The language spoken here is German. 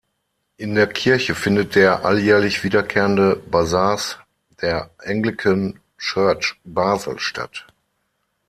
In der Kirche findet der alljährlich wiederkehrende "Basars" der "Anglican Church" Basel statt.